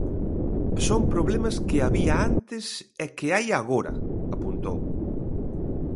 "Son problemas que había antes e que hai agora", apuntou.